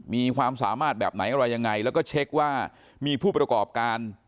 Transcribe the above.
มีความสามารถแบบไหนอะไรยังไงแล้วก็เช็คว่ามีผู้ประกอบการ